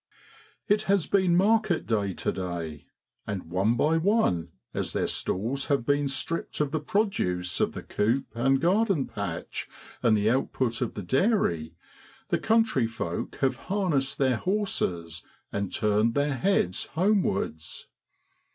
It has been market day to day, and one by one, as their stalls have been stripped of the produce of the coop and garden patch and the output of the dairy, the country folk have harnessed their horses and turned their heads homewards.